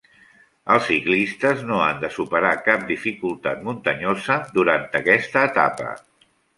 Els ciclistes no han de superar cap dificultat muntanyosa durant aquesta etapa.